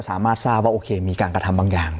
สามารถทราบว่าโอเคมีการกระทำบางอย่าง